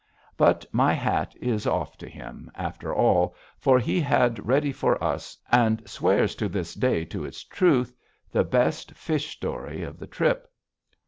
But my hat is off to him, after all, for he had ready for us, and swears to this day to its truth, the best fish story of the trip.